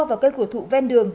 và cây cổ thụ ven đường